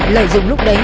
lợi dụng lúc đấy